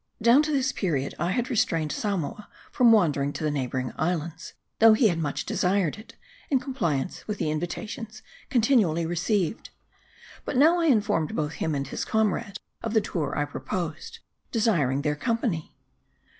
DOWN to this period, I had restrained Samoa from wan dering to the neighboring islands, though he had much de sired it, in compliance with the invitations continually received. But now I informed both him, and his comrade, of the tour I purposed ; desiring their company.